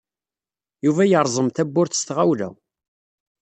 Yuba yerẓem tawwurt s tɣawla.